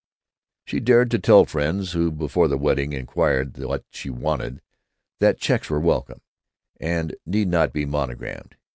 She dared to tell friends who before the wedding inquired what she wanted, that checks were welcome, and need not be monogrammed.